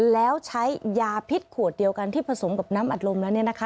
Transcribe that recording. แล้วใช้ยาพิษขวดเดียวกันที่ผสมกับน้ำอัดลมแล้วเนี่ยนะคะ